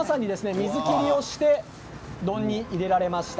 水切りをして丼に入れられました。